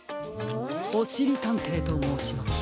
おしりたんていともうします。